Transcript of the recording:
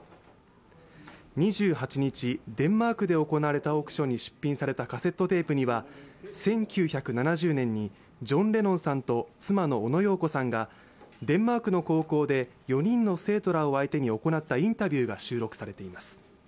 ２８日、デンマークで行われたオークションに出品されたカセットテープには１９７０年にジョン・レノンさんと妻のオノ・ヨーコさんがデンマークの高校で４人の生徒らを相手に行ったインタビューが収録されています。